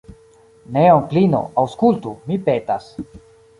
Ne, onklino, aŭskultu, mi petas.